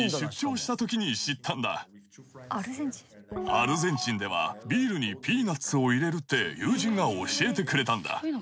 アルゼンチンではビールにピーナッツを入れるって友人が教えてくれたんだ。